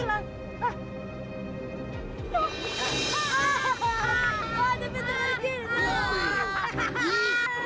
mungkin saja dia punya ilmu